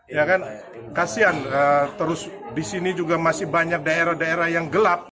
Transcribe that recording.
ya kan kasian terus di sini juga masih banyak daerah daerah yang gelap